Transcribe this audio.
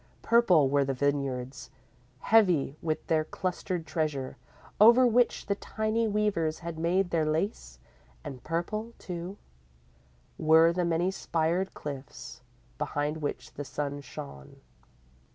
Purple were the vineyards, heavy with their clustered treasure, over which the tiny weavers had made their lace, and purple, too, were the many spired cliffs, behind which the sunset shone.